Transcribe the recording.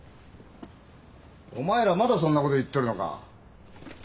お前らまだそんなこと言っとるのか？